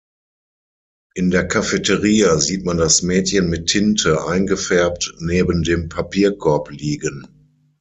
In der Cafeteria sieht man das Mädchen mit Tinte eingefärbt neben dem Papierkorb liegen.